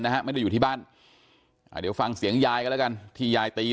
นะฮะไม่ได้อยู่ที่บ้านอ่าเดี๋ยวฟังเสียงยายกันแล้วกันที่ยายตี